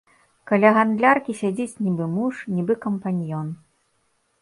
Каля гандляркі сядзіць нібы муж, нібы кампаньён.